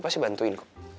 pasti bantuin kok